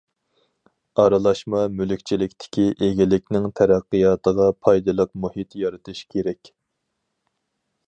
ئارىلاشما مۈلۈكچىلىكتىكى ئىگىلىكنىڭ تەرەققىياتىغا پايدىلىق مۇھىت يارىتىش كېرەك.